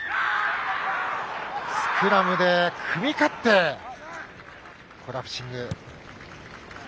スクラムで組み勝ってコラプシング。